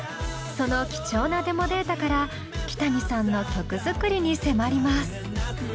その貴重なデモデータからキタニさんの曲作りに迫ります。